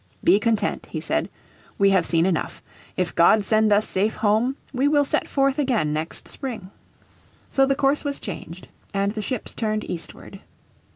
"Be content," he said. "We have seen enough. If God send us safe home we will set forth again next spring." So the course was changed, and the ships turned eastward.